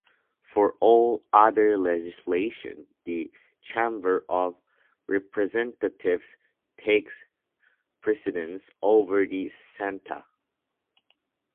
For all other legislation, the Chamber of Representatives takes precedence over the Senate.